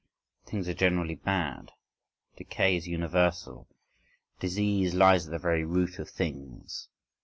Things are generally bad. Decay is universal. Disease lies at the very root of things.